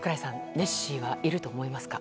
ネッシーはいると思いますか？